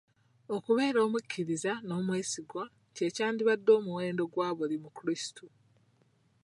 Okubeera omukiriza n'omwesigwa kye kyandibadde omuwendo gwa buli mu kulisitu.